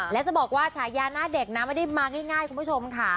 และจะบอกว่าฉายาหน้าเด็กนะไม่ได้มาง่ายคุณผู้ชมค่ะ